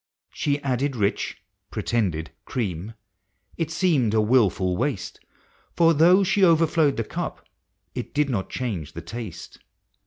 She added rich (pretended) cream — it seemed a wilful waste, For though she overflowed the cup, it did not change the taste.